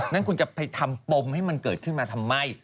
นั้นคุณจะไปทำปมให้มันเกิดขึ้นมาทำไม